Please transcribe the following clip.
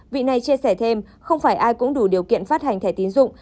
vị này chia sẻ thêm không phải ai cũng đủ điều kiện phát hành thẻ tín dụng